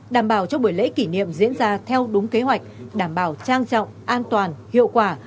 đảm bảo cho buổi lễ kỷ niệm diễn ra theo đúng kế hoạch đảm bảo trang trọng an toàn hiệu quả